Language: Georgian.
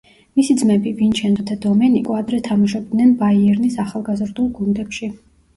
მისი ძმები, ვინჩენცო და დომენიკო ადრე თამაშობდნენ „ბაიერნის“ ახალგაზრდულ გუნდებში.